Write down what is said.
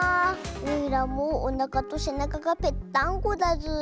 おいらもおなかとせなかがぺっタンゴだズー。